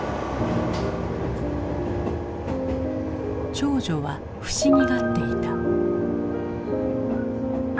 長女は不思議がっていた。